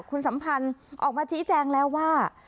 คุณสัมพันธ์ออกมาชี้แจงแล้วว่า